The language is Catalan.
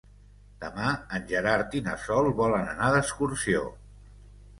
Demà en Gerard i na Sol volen anar d'excursió.